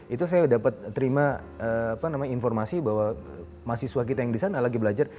itu saya dapat terima informasi bahwa mahasiswa kita yang di sana lagi belajar